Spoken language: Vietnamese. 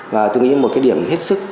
và tôi nghĩ một cái điểm hết sức